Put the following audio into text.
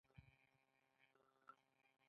د تسونامي لامل زلزله ده.